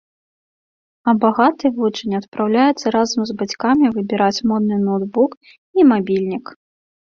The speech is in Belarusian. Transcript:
А багаты вучань адпраўляецца разам з бацькамі выбіраць модны ноўтбук і мабільнік.